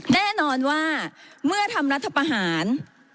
แน่นอนว่าเมื่อทำรัฐประหาร